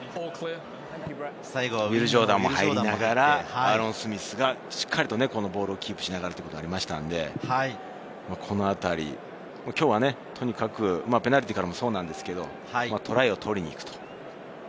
最後はウィル・ジョーダンも入りながら、アーロン・スミスがしっかりとボールをキープしながらということで、このあたり、きょうは、とにかくペナルティーからもそうでしたが、トライを取りに行く。